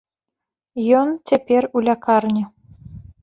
Ён цяпер у лякарні.